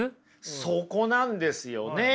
そこなんですよね。